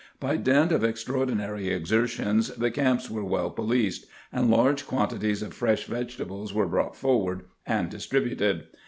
By dint of extraordinary exertions the camps were well policed, and large quan tities of fresh vegetables were brought forward and distributed.